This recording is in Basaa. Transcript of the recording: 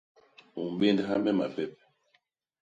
U mbéndha me mapep.